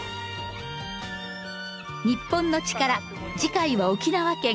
『日本のチカラ』次回は沖縄県。